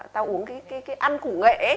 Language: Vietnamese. ta uống cái ăn củ nghệ